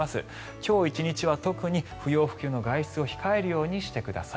今日１日は特に不要不急の外出を控えるようにしてください。